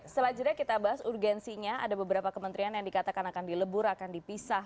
setelah jeda kita bahas urgensinya ada beberapa kementerian yang dikatakan akan dilebur akan dipisah